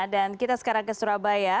dan kita sekarang ke surabaya